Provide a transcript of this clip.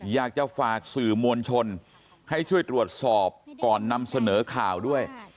อยากจะฝากสื่อมวลชนให้ช่วยตรวจสอบก่อนนำเสนอข่าวด้วย